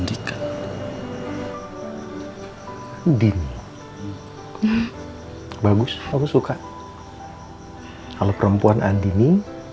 di bagus bagus suka kalau perempuan andini